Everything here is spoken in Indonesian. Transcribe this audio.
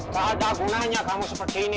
gak ada gunanya kamu seperti ini